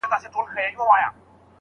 ولي ځینې خلک پر خپله نکاح هم پښېمانه سوي